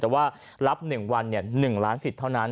แต่ว่ารับหนึ่งวันเนี่ยหนึ่งล้านสิทธิ์เท่านั้น